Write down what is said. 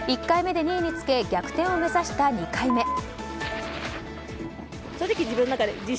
１回目で２位につけ逆転を目指した２回目。